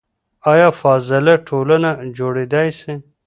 آیا فاضله ټولنه جوړیدای سي؟